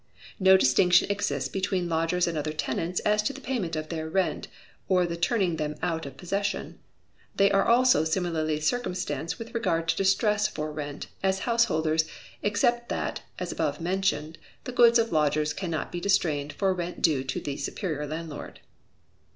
No distinction exists between lodgers and other tenants as to the payment of their rent, or the turning them out of possession; they are also similarly circumstanced with regard to distress for rent, as householders, except that (as above mentioned) the goods of lodgers cannot be distrained for rent due to the superior landlord.